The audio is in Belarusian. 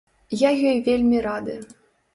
Я ёй вельмі рады.